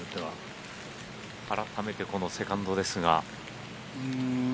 改めてこのセカンドですが。